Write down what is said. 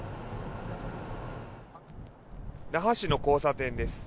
那覇市の交差点です。